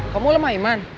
kamu lemah iman